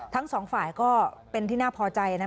ทั้งสองฝ่ายก็เป็นที่น่าพอใจนะ